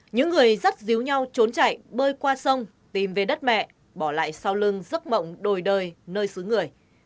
những người rất díu nhau trốn chạy bơi qua sông tìm về đất mẹ bỏ lại sau lưng giấc mộng đổi đời nơi xứ người